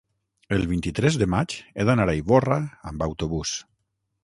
el vint-i-tres de maig he d'anar a Ivorra amb autobús.